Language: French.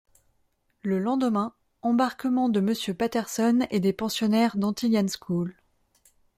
Le lendemain, embarquement de Monsieur Patterson et des pensionnaires d’Antilian School…